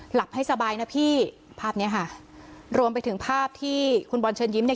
หลับให้สบายนะพี่ภาพเนี้ยค่ะรวมไปถึงภาพที่คุณบอลเชิญยิ้มเนี่ย